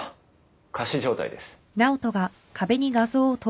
仮死状態です。